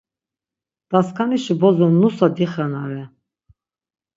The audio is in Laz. Daskanişi bozo nusa dixenare.